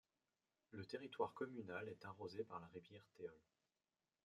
Le territoire communal est arrosé par la rivière Théols.